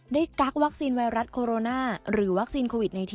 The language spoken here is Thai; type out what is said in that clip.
กักวัคซีนไวรัสโคโรนาหรือวัคซีนโควิด๑๙